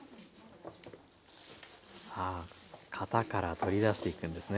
さあ型から取り出していくんですね。